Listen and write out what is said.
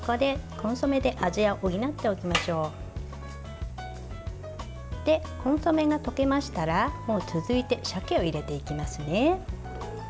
コンソメが溶けましたら続いて、鮭を入れていきますね。